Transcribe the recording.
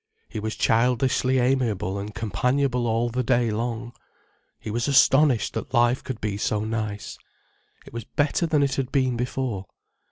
He was childishly amiable and companionable all the day long. He was astonished that life could be so nice. It was better than it had been before.